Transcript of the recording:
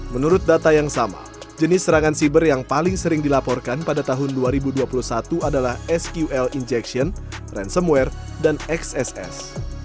menurut data yang sama jenis serangan siber yang paling sering dilaporkan pada tahun dua ribu dua puluh satu adalah sql injection ransomware dan xss